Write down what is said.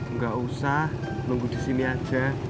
nggak usah nunggu di sini aja